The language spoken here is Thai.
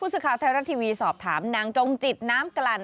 ผู้ศึกภาพไทยรัตน์ทีวีสอบถามนางจงจิตน้ำกลั่น